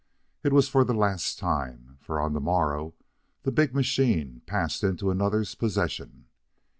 It was for the last time, for on the morrow the big machine passed into another's possession.